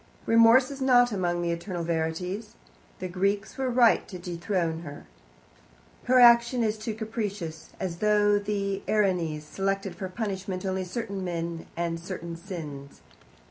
Remorse is not among the eternal verities. The Greeks were right to dethrone her. Her action is too capricious, as though the Erinyes selected for punishment only certain men and certain sins.